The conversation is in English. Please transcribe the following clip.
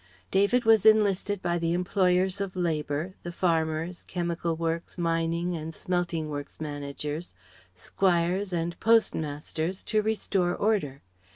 David was enlisted by the employers of labour, the farmers, chemical works, mining and smelting works managers, squires, and postmasters to restore order.